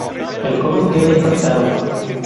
El joven queda impactado.